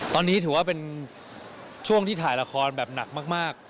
ตอนนี้ถือว่าเป็นช่วงที่ถ่ายละครแบบหนักมาก